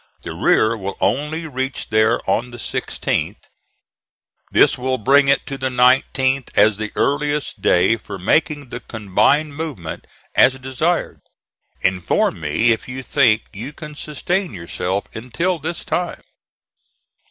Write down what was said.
The rear will only reach there on the 16th. This will bring it to the 19th as the earliest day for making the combined movement as desired. Inform me if you think you can sustain yourself until this time.